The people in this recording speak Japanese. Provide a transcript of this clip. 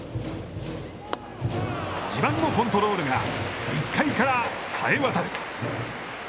自慢のコントロールが１回からさえ渡る。